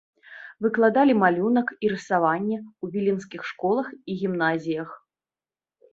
Выкладалі малюнак і рысаванне ў віленскіх школах і гімназіях.